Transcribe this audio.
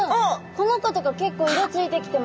この子とか結構色ついてきてます